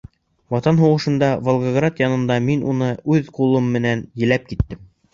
Ватан һуғышында, Волгоград янында мин уны үҙ ҡулым менән ерләп киттем.